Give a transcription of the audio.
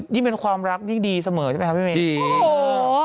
นี่เป็นความรักดีเสมอใช่ไหมครับ